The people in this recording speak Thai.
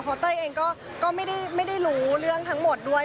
เพราะเต้ยเองก็ไม่ได้รู้เรื่องทั้งหมดด้วย